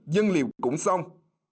dân liều cũng xong